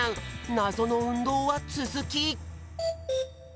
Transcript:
なぞのうんどうはつづき。